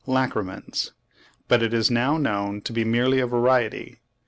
lacrymans, but it is now known to be merely a variety.